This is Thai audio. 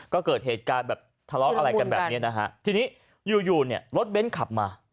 ก็เกิดเหตุการณ์แบบทะเลาะอะไรกันแบบนี้นะฮะทีนี้อยู่อยู่เนี่ยรถเบ้นขับมา